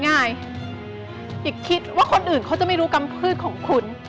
อย่าคิดว่าคนอื่นเขาจะไม่รู้กำพืชของคุณ